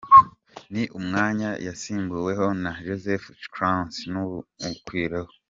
Ni umwanya yasimbuweho na Joseph Clancy n’ubu ukiwuriho.